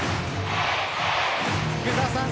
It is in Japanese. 福澤さん